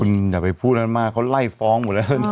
คุณอย่าไปพูดนั้นมากเขาไล่ฟ้องหมดแล้ว